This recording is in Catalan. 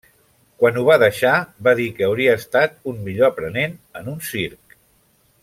Quan ho va deixar va dir que hauria estat un millor aprenent en un circ.